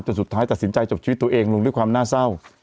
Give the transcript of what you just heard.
แต่สุดท้ายตัดสินใจจบชีวิตตัวเองลงด้วยความน่าเศร้า